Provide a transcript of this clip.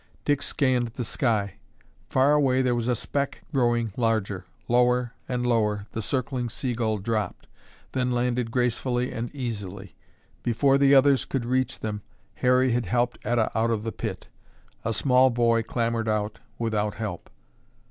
Dick scanned the sky. Far away there was a speck growing larger. Lower and lower the circling Seagull dropped, then landed gracefully and easily. Before the others could reach them, Harry had helped Etta out of the pit. A small boy clambered out without help.